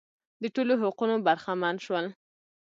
د ټولو حقونو برخمن شول.